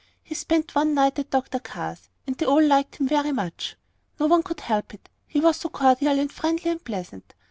He spent one night at Dr. Carr's, and they all liked him very much. No one could help it, he was so cordial and friendly and pleasant.